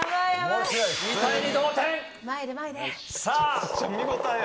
２対２の同点。